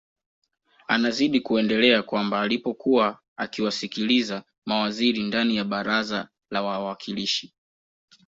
Anazidi kuendelea kwamba alipokuwa akiwasikiliza mawaziri ndani ya baraza la wawakilishi